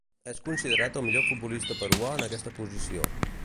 És considerat el millor futbolista peruà en aquesta posició.